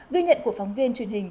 ghi nhận của phóng viên truyền hình